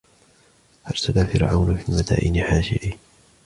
فأرسل فرعون في المدائن حاشرين